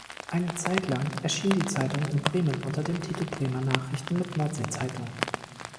Eine Zeitlang erschien die Zeitung in Bremen unter dem Titel „Bremer Nachrichten mit Nordsee-Zeitung“.